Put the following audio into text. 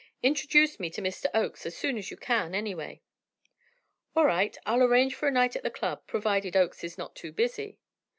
Introduce me to Mr. Oakes as soon as you can, anyway." "All right. I'll arrange for a night at the Club, provided Oakes is not too busy."